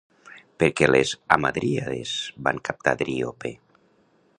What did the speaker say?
Per què les hamadríades van captar Driope?